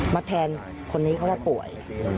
แทนคนนี้เขาว่าป่วย